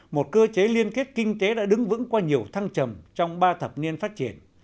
một cơ chế liên kết kinh tế đã đứng vững qua nhiều thăng trầm trong ba thập niên phát triển